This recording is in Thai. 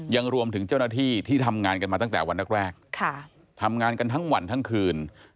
ยังรวมถึงเจ้าหน้าที่ที่ทำงานกันมาตั้งแต่วันแรกทำงานกันทั้งวันทั้งคืน